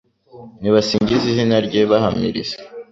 Nibasingize izina rye bahamiriza